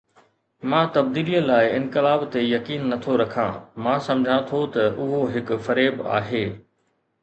مان تبديليءَ لاءِ انقلاب تي يقين نه ٿو رکان، مان سمجهان ٿو ته اهو هڪ فريب آهي.